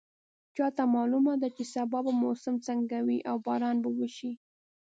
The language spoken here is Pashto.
چا ته معلومه ده چې سبا به موسم څنګه وي او باران به وشي